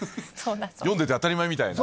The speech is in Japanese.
読んでて当たり前みたいな。